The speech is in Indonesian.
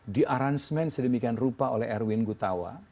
di aransmen sedemikian rupa oleh erwin gutawa